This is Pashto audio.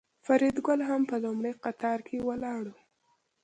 فریدګل هم په لومړي قطار کې ولاړ و